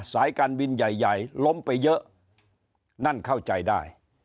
สายการบินใหญ่ใหญ่ล้มไปเยอะนั่นเข้าใจได้